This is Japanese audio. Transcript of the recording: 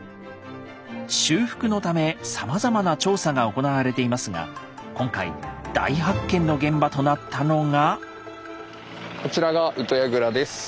修復のためさまざまな調査が行われていますが今回大発見の現場となったのが。